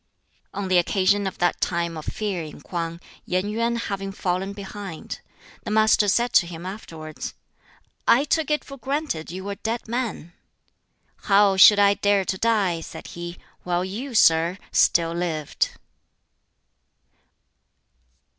On the occasion of that time of fear in K'wang, Yen Yuen having fallen behind, the Master said to him (afterwards), "I took it for granted you were a dead man." "How should I dare to die," said he, "while you, sir, still lived?"